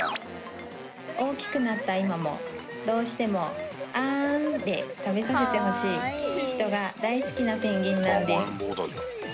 大きくなった今もどうしても「あん」で食べさせてほしい人が大好きなペンギンなんです